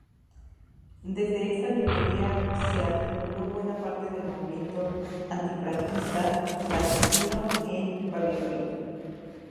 Desde esta librería se articuló buena parte del movimiento antifranquista clandestino en Valladolid.